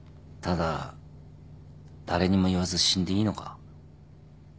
ただ誰にも言わず死んでいいのか。